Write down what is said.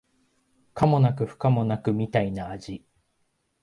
可もなく不可もなくみたいな味